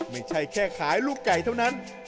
ไม่ใช่แค่ขายลูกไก่เท่านั้น